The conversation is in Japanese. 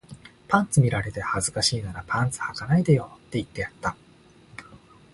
パンツ見られて恥ずかしいならパンツ履かないでよって言ってやった